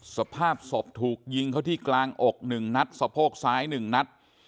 สภาพศพถูกยิงเขาที่กลางอก๑นัดสะโพกซ้าย๑นัด